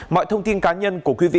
mọi thông tin cá nhân của quý vị